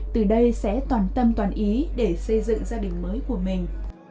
từ đây sẽ toàn tâm toàn ý để xây dựng gia đình mới của mình